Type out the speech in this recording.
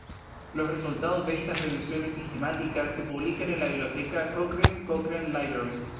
Los resultados de estas revisiones sistemáticas se publican en la Biblioteca Cochrane Cochrane Library.